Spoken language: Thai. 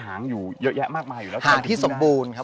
ชื่องนี้ชื่องนี้ชื่องนี้ชื่องนี้ชื่องนี้